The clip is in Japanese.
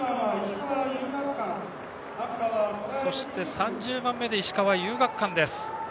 ３０番目で石川・遊学館です。